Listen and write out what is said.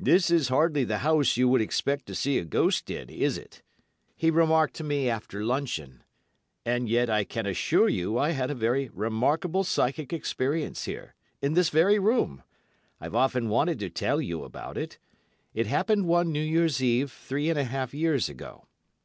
"This is hardly the house you would expect to see a ghost in, is it?" he remarked to me after luncheon. "And yet I can assure you I had a very remarkable psychic experience here, in this very room. I've often wanted to tell you about it. It happened one New Year's Eve three and a half years ago.